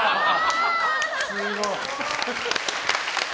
すごい。